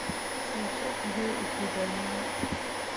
Son chef-lieu est Godalming.